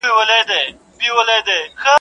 چي پر حال د زکندن به د وطن ارمان کوینه.